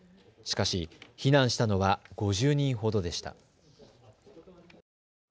しかし避難したのは５０人ほどでした。